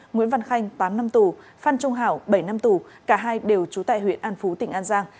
nguyễn văn khanh tám năm tù phan trung hảo bảy năm tù cả hai đều trú tại huyện an phú tỉnh an giang